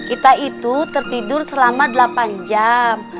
kita itu tertidur selama delapan jam